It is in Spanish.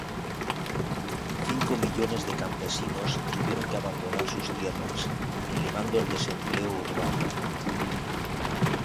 Cinco millones de campesinos tuvieron que abandonar sus tierras, elevando el desempleo urbano.